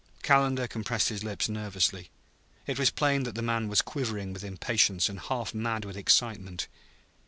Calendar compressed his lips nervously. It was plain that the man was quivering with impatience and half mad with excitement.